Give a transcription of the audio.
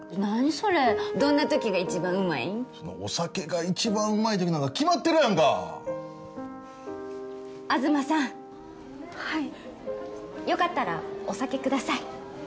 それどんなときが一番うまいお酒が一番うまいときなんか決まってるや東さんはいよかったらお酒ください